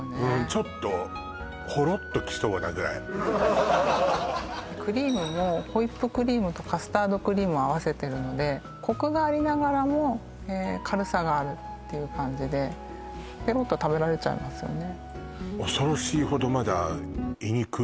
ちょっとクリームもホイップクリームとカスタードクリームを合わせてるのでコクがありながらも軽さがあるっていう感じでペロッと食べられちゃいますよね